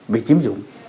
bị chiếm dụng